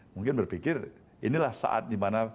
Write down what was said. mungkin berpikir inilah saat dimana